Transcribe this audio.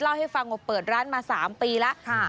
เล่าให้ฟังว่าเปิดร้านมา๓ปีแล้ว